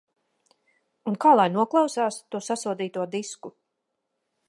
Un kā lai noklausās to sasodīto disku?...